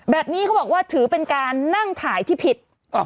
แบบนี้เขาบอกว่าถือเป็นการนั่งถ่ายที่ผิด